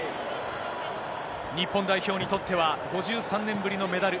日本代表にとっては、５３年ぶりのメダル。